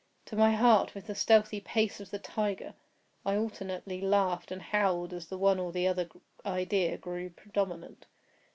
to my heart with the stealthy pace of the tiger! I alternately laughed and howled as the one or the other idea grew predominant.